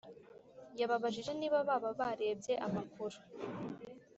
yababajije niba baba barebye amakuru